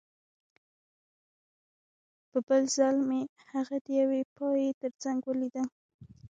په بل ځل مې هغه د یوې پایې ترڅنګ ولیده